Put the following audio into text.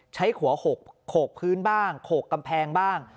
ใช้หัวโขกพื้นบ้างโขกกำแพงบ้าง